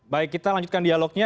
baik kita lanjutkan dialognya